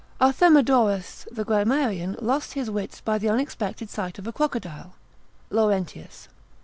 Arthemedorus the grammarian lost his wits by the unexpected sight of a crocodile, Laurentius 7.